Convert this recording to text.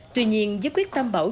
tuy nhiên với quyết tâm bảo